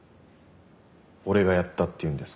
俺がやったって言うんですか？